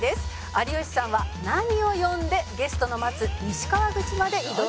「有吉さんは何を呼んでゲストの待つ西川口まで移動したでしょうか？」